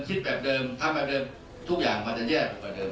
คิดแบบเดิมถ้าแบบเดิมทุกอย่างมันจะแย่ไปกว่าเดิม